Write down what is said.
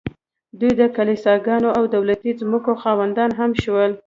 دوی د کلیساګانو او دولتي ځمکو خاوندان هم شول